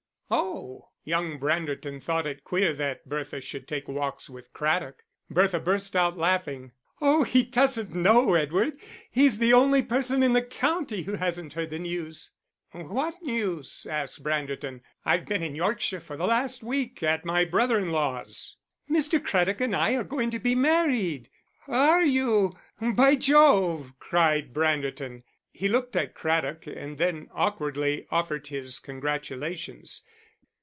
"Oh!" Young Branderton thought it queer that Bertha should take walks with Craddock. Bertha burst out laughing. "Oh, he doesn't know, Edward! He's the only person in the county who hasn't heard the news." "What news?" asked Branderton. "I've been in Yorkshire for the last week at my brother in law's." "Mr. Craddock and I are going to be married." "Are you, by Jove!" cried Branderton; he looked at Craddock and then, awkwardly, offered his congratulations.